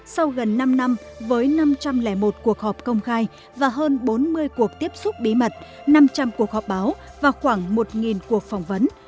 sau gần năm năm với năm trăm linh một cuộc họp công khai và hơn bốn mươi cuộc tiếp xúc bí mật năm trăm linh cuộc họp báo và khoảng một cuộc phỏng vấn